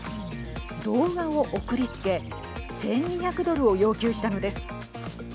動画を送りつけ１２００ドルを要求したのです。